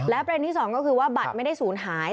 ประเด็นที่สองก็คือว่าบัตรไม่ได้ศูนย์หาย